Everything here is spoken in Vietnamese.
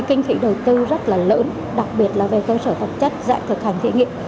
kinh phí đầu tư rất là lớn đặc biệt là về cơ sở vật chất dạng thực hành thí nghiệm